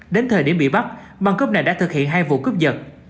đến thời điểm bị bắt băng cướp này đã thực hiện hai vụ cướp giật